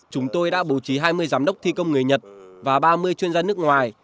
chúng tôi đã bố trí hai mươi giám đốc thi công người nhật và ba mươi chuyên gia nước ngoài